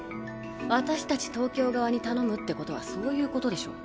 私たち東京側に頼むってことはそういうことでしょ。